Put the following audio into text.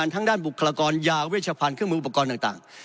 ทางด้านบุคลากรยาเวชพันธ์เครื่องมืออุปกรณ์ต่าง